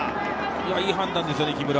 いい判断ですよね、木村。